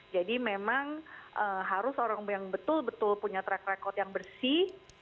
jadi memang harus orang yang betul betul punya track record yang bersih